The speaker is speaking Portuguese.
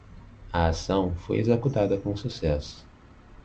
A ação foi executada com sucesso